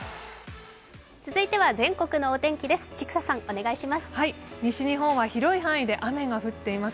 続いては全国のお天気です。